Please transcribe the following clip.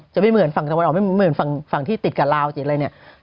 ไม่เหมือนฝั่งตะวันออกไม่เหมือนฝั่งที่ติดกับลาวจิตอะไรเนี่ย